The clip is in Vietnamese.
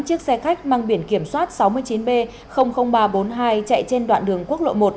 chiếc xe khách mang biển kiểm soát sáu mươi chín b ba trăm bốn mươi hai chạy trên đoạn đường quốc lộ một